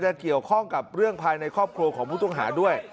เกี่ยวข้องกับเรื่องภายในครอบครัวของผู้ต้องหาด้วย